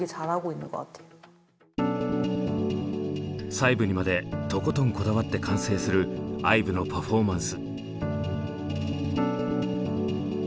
細部にまでとことんこだわって完成するＩＶＥのパフォーマンス。